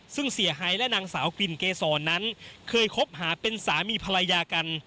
ซึ่งเสียหายและนางสาวกลิ่นเกษรนั้นเคยคบหาเป็นสามีภรรยากัน